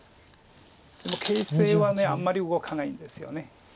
でも形勢はあんまり動かないんですよね。